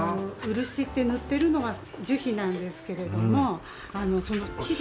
漆って塗ってるのは樹皮なんですけれどもその木で。